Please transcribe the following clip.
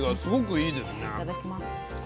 えいただきます。